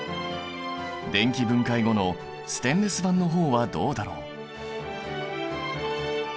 電気分解後のステンレス板の方はどうだろう？